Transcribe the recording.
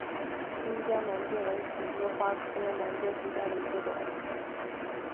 新疆南芥为十字花科南芥属下的一个种。